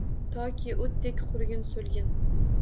Toki o‘tdek qurigin, so‘lgin